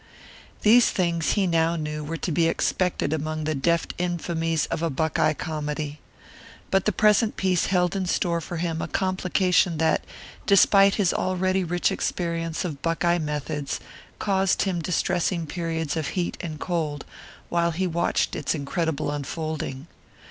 These things he now knew were to be expected among the deft infamies of a Buckeye comedy. But the present piece held in store for him a complication that, despite his already rich experience of Buckeye methods, caused him distressing periods of heat and cold while he watched its incredible unfolding.